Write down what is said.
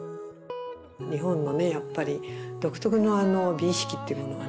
日本のねやっぱり独特のあの美意識っていうものがあるんだと。